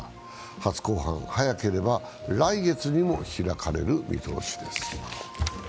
初公判は早ければ来月にも開かれる見通しです。